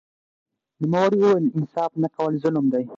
نوموړي وویل انصاف نه کول ظلم دی